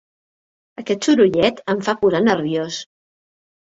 Aquest sorollet em fa posar nerviós.